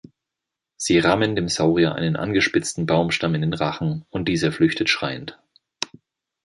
Sie rammen dem Saurier einen angespitzten Baumstamm in den Rachen und dieser flüchtet schreiend.